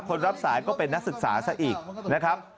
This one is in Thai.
รับสายก็เป็นนักศึกษาซะอีกนะครับ